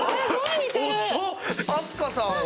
飛鳥さんは。